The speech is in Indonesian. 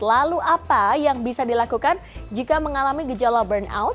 lalu apa yang bisa dilakukan jika mengalami gejala burnout